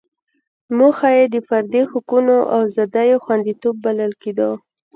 موخه یې د فردي حقوقو او ازادیو خوندیتوب بلل کېده.